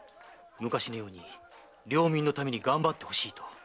昔のように領民のためにがんばってほしいと。